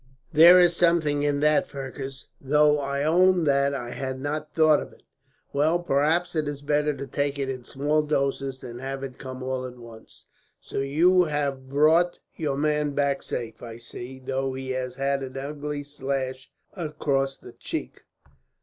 "There is something in that, Fergus, though I own that I had not thought of it. Well, perhaps it is better to take it in small doses than have it come all at once. "So you have brought your man back safe, I see, though he has had an ugly slash across the cheek.